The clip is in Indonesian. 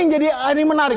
yang jadi yang menarik